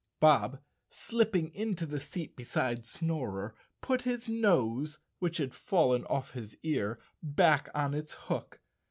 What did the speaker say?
Bob, slipping into the seat beside Snorer, put his nose, which had fallen off his ear, back on its hook.